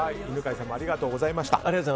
犬飼さんもありがとうございました。